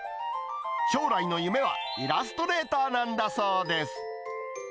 将来の夢はイラストレーターなんだそうです。